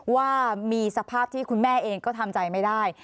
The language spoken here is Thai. ว่ามีสภาพที่คุณแม่เองก็ทำใจไม่ได้